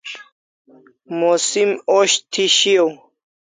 Musim osh thi shiau